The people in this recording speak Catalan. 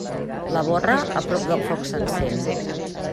La borra a prop del foc s'encén.